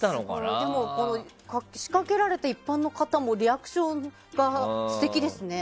でも、仕掛けられた一般の方もリアクションが素敵ですね。